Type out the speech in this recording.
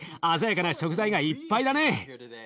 鮮やかな食材がいっぱいだね。